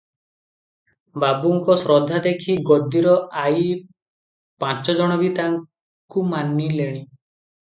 ବାବୁଙ୍କ ଶ୍ରଦ୍ଧା ଦେଖି ଗଦିର ଆଇ ପାଞ୍ଚଜଣ ବି ତାକୁ ମାନିଲେଣି ।